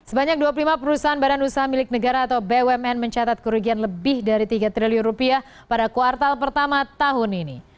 sebanyak dua puluh lima perusahaan badan usaha milik negara atau bumn mencatat kerugian lebih dari tiga triliun rupiah pada kuartal pertama tahun ini